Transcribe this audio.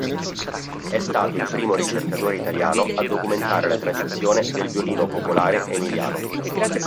È stato il primo ricercatore italiano a documentare la tradizione del violino popolare emiliano.